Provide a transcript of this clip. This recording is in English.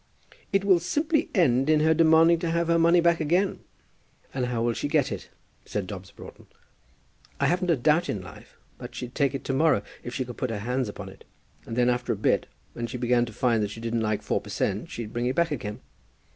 "It will simply end in her demanding to have her money back again." "And how will she get it?" said Dobbs Broughton. "I haven't a doubt in life but she'd take it to morrow if she could put her hands upon it. And then, after a bit, when she began to find that she didn't like four per cent., she'd bring it back again.